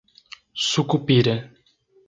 Sucupira